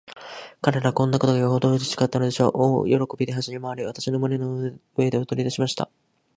彼等はこんなことがよほどうれしかったのでしょう。大喜びで、はしゃぎまわり、私の胸の上で踊りだしました。